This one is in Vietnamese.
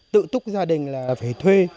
tự túc gia đình là phải thuê